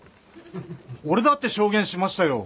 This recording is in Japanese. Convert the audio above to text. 俺だって証言しましたよ。